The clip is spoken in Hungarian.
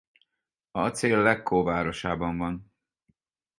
A cél Lecco városában van.